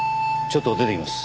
ちょっと出てきます。